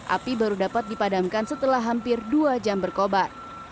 api baru dapat dipadamkan setelah hampir dua jam berkobar